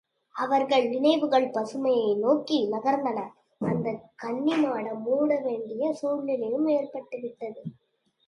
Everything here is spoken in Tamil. அவர்கள் நினைவுகள் பசுமையை நோக்கி நகர்ந்தன அந்தக் கன்னிமாடம் மூட வேண்டிய சூழ்நிலையும் ஏற்பட்டுவிட்டது.